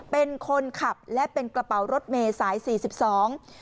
เป็นคนขับและเป็นกระเป๋ารถเมษายน๔๒